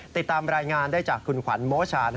ติดตามรายงานได้จากคุณขวัญโมชา